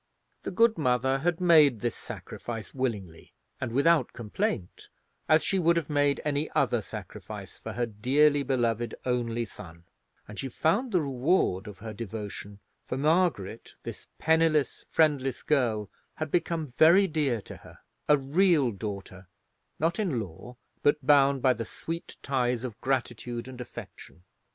The good mother had made this sacrifice willingly and without complaint, as she would have made any other sacrifice for her dearly beloved only son; and she found the reward of her devotion; for Margaret, this penniless, friendless girl, had become very dear to her—a real daughter, not in law, but bound by the sweet ties of gratitude and affection.